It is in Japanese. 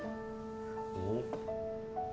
おっ。